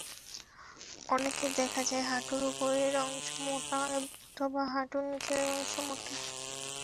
অনেকের দেখা যায় হাঁটুর ওপরের অংশ মোটা অথবা হাঁটুর নিচের অংশ মোটা।